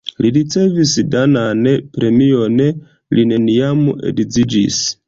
Li ricevis danan premion, li neniam edziĝis.